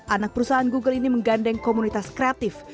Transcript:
anak perusahaan google ini menggandeng komunitas kreatif